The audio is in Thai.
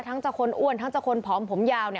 ทั้งคนอ้วนทั้งคนพร้อมผมยาว